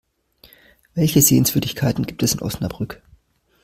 Welche Sehenswürdigkeiten gibt es in Osnabrück?